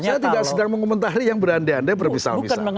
saya tidak sedang mengomentari yang berande ande bermisal misal